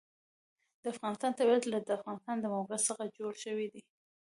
د افغانستان طبیعت له د افغانستان د موقعیت څخه جوړ شوی دی.